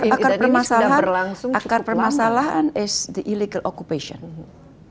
akar permasalahan adalah keperluan ilik